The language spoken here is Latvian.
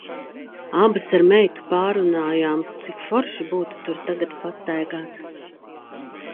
Abas ar meitu pārrunājām, cik forši būtu tagad tur pastaigāt.